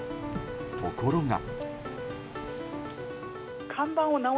ところが。